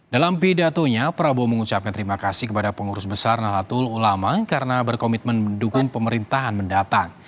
dalam pidatonya prabowo mengucapkan terima kasih kepada pengurus besar nahdlatul ulama karena berkomitmen mendukung pemerintahan mendatang